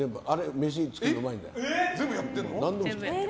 飯、作るのうまいんだよ。